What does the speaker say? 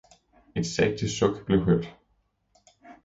et sagte suk blev hørt.